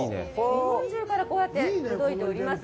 日本中からこうやって届いております。